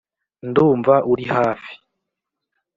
ndumva uri hafi,